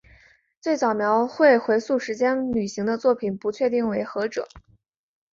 最早描绘回溯时间旅行的作品不确定为何者。